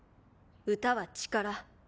歌は力。